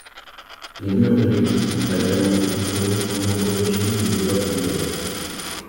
Les murs de l'église sont agrémentés d'icônes provenant d'origines et d'époques diverses.